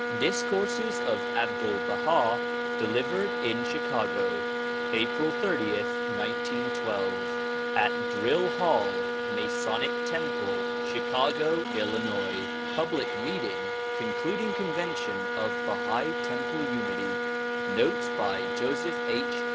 Discourses of Abdul Baha delivered in Chicago. Api'il 30, 1912, at Drill Hall, Masonic Temple, Chicago, III. Public Meeting concluding Convention of Bahai Temple Unity. Notes by Joseph H.